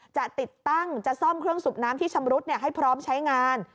จะติดตั้งจะซ่อมเครื่องสูบน้ำที่ชำรุดให้พร้อมใช้งาน